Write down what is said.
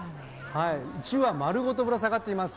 １羽丸ごとぶら下がっています。